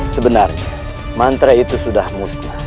sebenarnya mantra itu sudah musnah